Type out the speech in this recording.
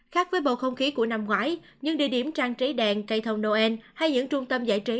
khác với bầu không khí của năm ngoái những địa điểm trang trí đèn cây thông noel hay những trung tâm giải trí